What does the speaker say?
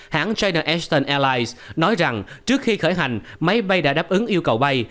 hãng china eastern airlines nói rằng trước khi khởi hành máy bay đã đáp ứng yêu cầu bay